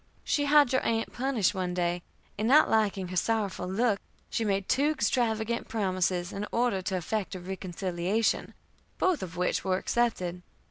She had your aunt punished one day, and not liking her sorrowful look, she made two extravagant promises in order to effect a reconciliation, both of which were accepted.